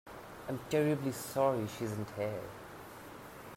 I'm terribly sorry she isn't here.